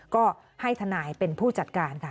ก็ให้ทนายเป็นผู้จัดการค่ะ